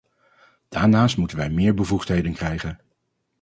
Daarnaast moeten wij meer bevoegdheden krijgen.